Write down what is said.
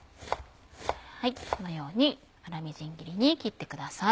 このように粗みじん切りに切ってください。